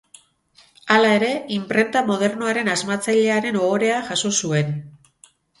Hala ere, inprenta modernoaren asmatzailearen ohorea jaso zuen.